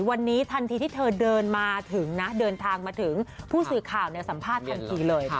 วันนี้ทันทีที่เธอเดินมาถึงนะเดินทางมาถึงผู้สื่อข่าวสัมภาษณ์ทันทีเลย